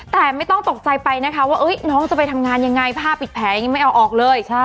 แต่ไม่ต้องตกใจไปนะคะว่าน้องจะไปทำงานยังไงผ้าปิดแผลยังไม่เอาออกเลย